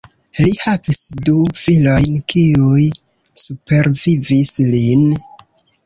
Li havis du filojn kiuj supervivis lin.